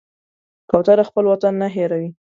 کوتره خپل وطن نه هېروي.